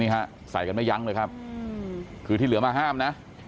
ใส่กันไม่ยั้งเลยครับคือที่เหลือมาห้ามนะ